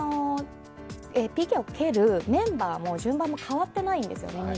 なので、実際、ＰＫを蹴るメンバーも順番も変わっていないんです。